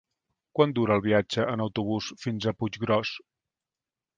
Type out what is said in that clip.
Quant dura el viatge en autobús fins a Puiggròs?